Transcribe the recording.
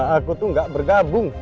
aku tuh gak bergabung